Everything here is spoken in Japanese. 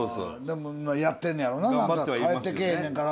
でもやってんねやろな何か。